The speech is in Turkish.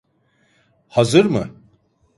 Hazır mı?